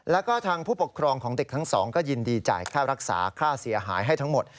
แล้วก็ทางผู้ปกครองของเด็กทั้งสองก็ยินดีจ่ายค่ารักษาค่าเสียหายให้ทั้งหมด